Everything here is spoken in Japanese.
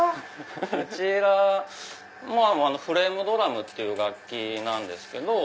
こちらフレームドラムっていう楽器なんですけど。